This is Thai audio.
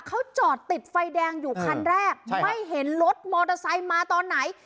เขาจอดติดไฟแดงอยู่คันแรกไม่เห็นรถมอเตอร์ไซค์มาตอนไหน